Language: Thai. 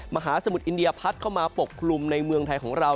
มหาสมุทรอินเดียพัดเข้ามาปกคลุมในเมืองไทยของเรา